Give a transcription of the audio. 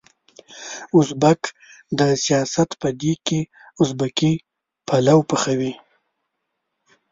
ازبک د سياست په دېګ کې ازبکي پلو پخوي.